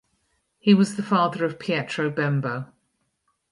He was the father of Pietro Bembo.